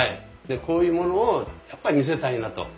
こういうものをやっぱり見せたいなと。